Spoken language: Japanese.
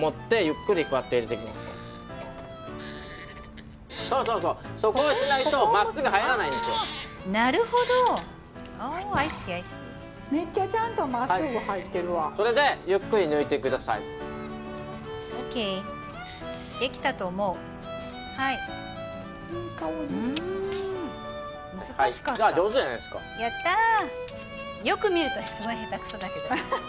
よく見るとすごい下手くそだけど。